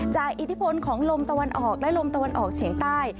อิทธิพลของลมตะวันออกและลมตะวันออกเฉียงใต้